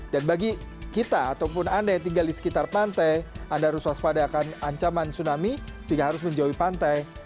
bagi kita ataupun anda yang tinggal di sekitar pantai anda harus waspada akan ancaman tsunami sehingga harus menjauhi pantai